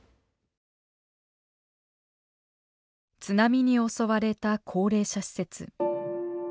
津波に襲われた高齢者施設。